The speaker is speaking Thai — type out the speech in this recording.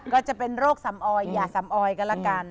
ก็จะเป็นโรคสำออยอย่าสำออยก็ละกัน